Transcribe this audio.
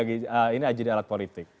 ini aja di alat politik